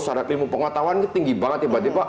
terhadap ilmu penguatawan itu tinggi banget tiba tiba